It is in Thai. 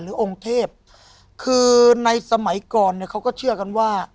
หรือองค์เทพคือในสมัยก่อนเขาก็เชื่อกันว่า